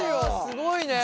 すごいね。